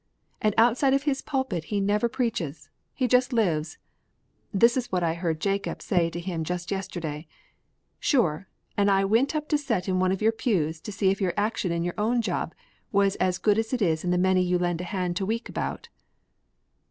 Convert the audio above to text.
And outside of his pulpit he never preaches; he just lives. This is what I heard Jacob say to him just yesterday: "'Sure, and I wint up to set in one of your pews to see if your action in your own job was as good as it is in the many you lend a hand to week about.'